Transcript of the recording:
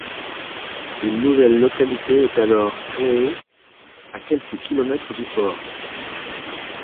Une nouvelle localité est alors créée à quelques kilomètres du port.